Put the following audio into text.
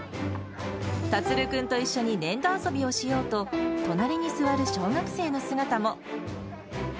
樹君と一緒に粘土遊びをしようと、隣に座る小学生の姿も。